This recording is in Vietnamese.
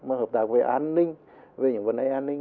mà hợp tác về an ninh về những vấn đề an ninh